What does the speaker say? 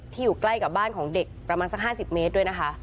อยู่ใกล้กับบ้านของเด็กประมาณสัก๕๐เมตรด้วยนะคะ